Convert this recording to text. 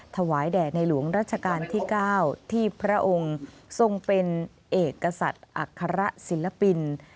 ถวายแด่ในหลวงรัชกาลที่๙ที่พระองค์ทรงเป็นเอกอัคระศิลปิน